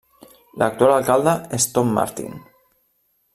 L'actual alcalde és Tom Martin.